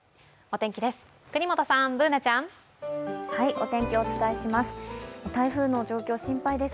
お天気です。